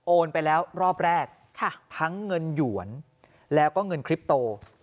ไปแล้วรอบแรกทั้งเงินหยวนแล้วก็เงินคลิปโต